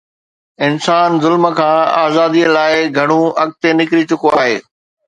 انسان ظلم کان آزاديءَ لاءِ گهڻو اڳتي نڪري چڪو آهي.